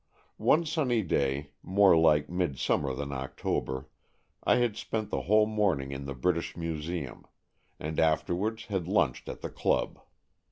One sunny day, more like midsummer than October, I had spent the whole morning in the British Museum, and afterwards had lunched at the club.